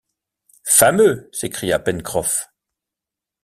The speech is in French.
Fameux! s’écria Pencroff.